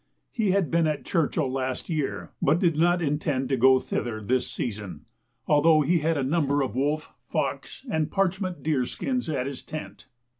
He had been at Churchill last year, but did not intend to go thither this season, although he had a number of wolf, fox, and parchment deer skins at his tent.